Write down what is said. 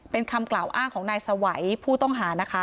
เป็นคำกล่าวอ้างของนายสวัยผู้ต้องหานะคะ